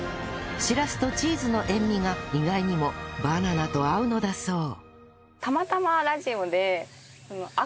シラスとチーズの塩味が意外にもバナナと合うのだそう